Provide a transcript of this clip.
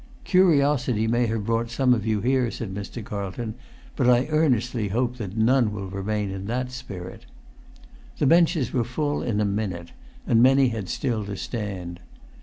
"Curiosity may have brought some of you here," said Mr. Carlton; "but I earnestly hope that none will remain in that spirit." The benches were full in a minute, and many had still to stand.